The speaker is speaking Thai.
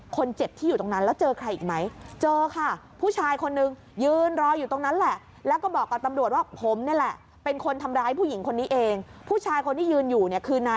คนเจ็บที่อยู่ตรงนั้นแล้วเจอใครอีกไหมเจอค่ะผู้ชายคนนึง